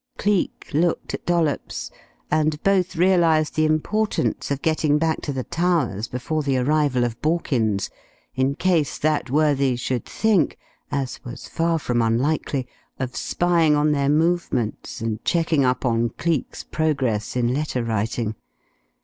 Cleek looked at Dollops, and both realized the importance of getting back to the Towers before the arrival of Borkins, in case that worthy should think (as was far from unlikely) of spying on their movements, and checking up on Cleek's progress in letter writing.